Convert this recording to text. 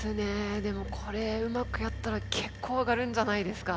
でもこれうまくやったら結構上がるんじゃないですか？